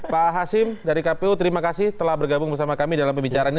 pak hasim dari kpu terima kasih telah bergabung bersama kami dalam pembicaraan ini